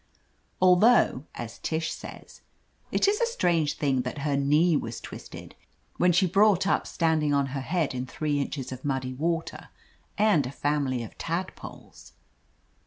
Al though, as Tish says, it is a strange thing that her knee was twisted, when she brought up standing on her head in three inches of muddy water and a family of tadpoles.